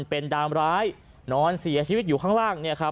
เป็นดาลร้ายนอนเสียชีวิตอยู่ข้างล่าง